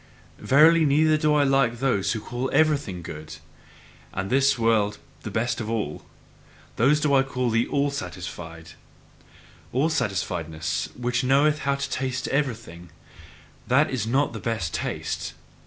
Verily, neither do I like those who call everything good, and this world the best of all. Those do I call the all satisfied. All satisfiedness, which knoweth how to taste everything, that is not the best taste!